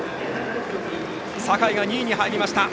坂井が２位に入りました。